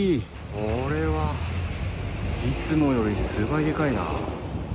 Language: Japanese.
これはいつもより数倍でかいな。